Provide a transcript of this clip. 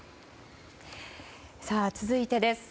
続いてです。